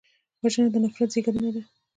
وژنه د نفرت زېږنده ده